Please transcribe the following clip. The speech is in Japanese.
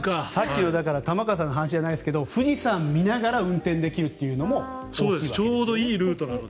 さっきの玉川さんの話じゃないですが富士山を見ながら運転できるのもいいと。